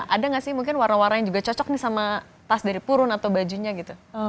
ada nggak sih mungkin warna warna yang juga cocok nih sama tas dari purun atau bajunya gitu